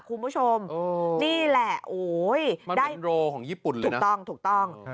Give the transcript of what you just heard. คุณผู้ชมนี่แหละโอ้ยได้โรของญี่ปุ่นเลยถูกต้องถูกต้อง